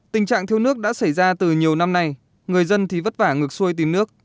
tình trạng thiếu nước đã xảy ra từ nhiều năm nay người dân thì vất vả ngược xuôi tìm nước